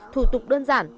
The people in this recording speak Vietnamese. thủ tục đơn giản